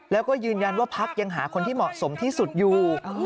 แล้วก็ยืนยันว่าพักยังหาคนที่เหมาะสมที่สุดอยู่